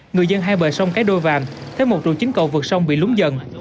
người dân hai bờ sông cái đôi vàm thấy một trụ chính cầu vượt sông bị lúng dần